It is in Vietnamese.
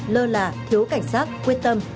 lơ lả thiếu cảnh sát quyết tâm